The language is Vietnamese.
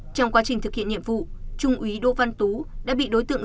trong quá trình thực hiện nhiệm vụ trung úy đỗ văn tú đã bị đối tượng